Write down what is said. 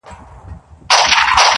ستا د تن سايه مي په وجود كي ده~